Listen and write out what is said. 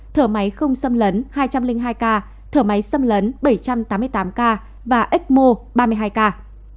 thở máy không xâm lấn hai trăm linh hai ca thở máy xâm lấn bảy trăm tám mươi tám ca và ecmo ba mươi hai ca